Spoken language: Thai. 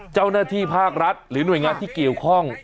เจ้าหน้าที่ภาครัฐหรือหน่วยงานที่เกี่ยวข้อง